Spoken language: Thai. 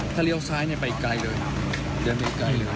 ถ้าเลี่ยวซ้ายเนี่ยไปอีกไกลเลยเดินไปอีกไกลเลย